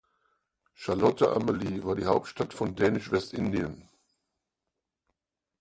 Charlotte Amalie war die Hauptstadt von Dänisch-Westindien.